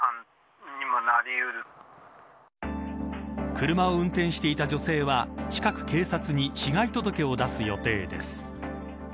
車を運転していた女性は近く、警察に被害届を出す予定です。